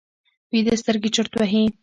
ویده سترګې چورت وهي